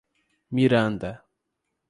Miranda